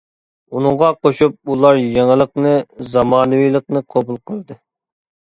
ئۇنىڭغا قوشۇپ، ئۇلار يېڭىلىقنى، زامانىۋىلىقنى قوبۇل قىلدى.